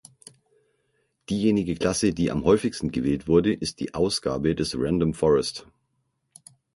Diejenige Klasse, die am häufigsten gewählt wurde, ist die Ausgabe des Random Forest.